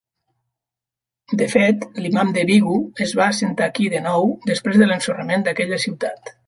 De fet, l'imam de Bighu es va assentar aquí de nou després de l'ensorrament d'aquella ciutat.